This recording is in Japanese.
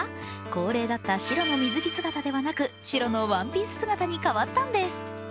恒例だった白の水着姿ではなく、白のワンピース姿に変わったんです。